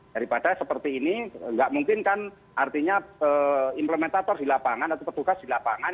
daripada seperti ini nggak mungkin kan artinya implementator di lapangan atau petugas di lapangan